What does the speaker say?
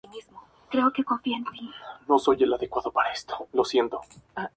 El tema fue compuesta por uno de los integrantes del trío mexicano, Samo.